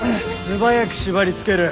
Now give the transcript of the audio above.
素早く縛りつける。